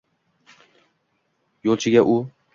Yo’lchiga u: